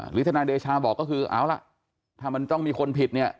ทนายเดชาบอกก็คือเอาล่ะถ้ามันต้องมีคนผิดเนี่ย